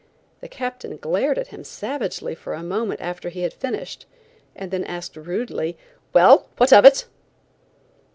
The Captain glared at him savagely for a moment after he had finished, and then asked rudely: "Well, what of it?"